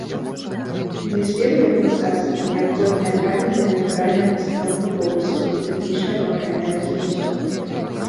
Для спеву як мастацтва, неабходныя правільная, натуральная пастаноўка голасу і тэхнічнае вакальнае развіццё.